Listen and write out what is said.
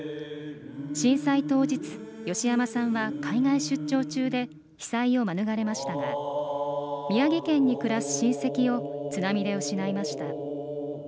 震災当日、芳山さんは海外出張中で被災を免れましたが宮城県に暮らす親戚を津波で失いました。